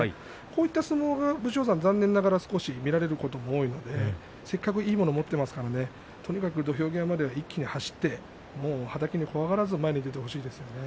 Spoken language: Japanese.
こういった相撲は武将山残念ながら見られることが多いのでせっかくいいものを持っているのでとにかく土俵際まで一気に走ってはたきを怖がらずに前に出てほしいですね。